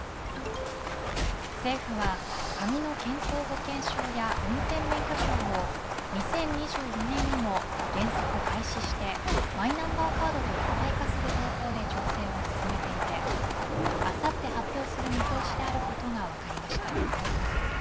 政府は紙の健康保険証や運転免許証を２０２４年にも原則廃止してマイナンバーカードと一体化する方向で調整を進めていてあさって発表する見通しであることが分かりました。